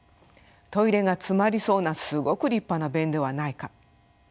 トイレが詰まりそうなすごく立派な便ではないか。